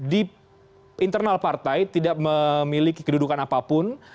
di internal partai tidak memiliki kedudukan apapun